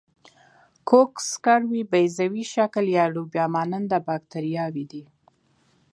کوکس کروي، بیضوي شکل یا لوبیا مانند باکتریاوې دي.